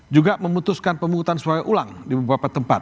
juga memutuskan pemungutan suara ulang di beberapa tempat